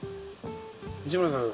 西村さん